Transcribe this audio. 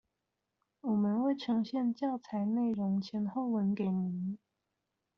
我們會呈現教材內容前後文給您